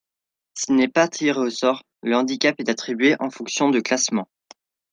S'il n'est pas tiré au sort, le handicap est attribué en fonction de classements.